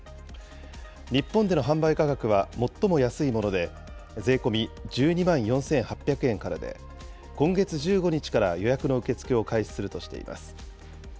日本での販売価格は最も安いもので税込み１２万４８００円からで、今月１５日から予約の受け付けを開始するとしています。